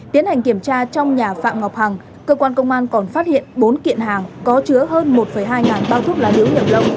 tiến hành kiểm tra trong nhà phạm ngọc hằng cơ quan công an còn phát hiện bốn kiện hàng có chứa hơn một hai bao thuốc lá điếu nhập lậu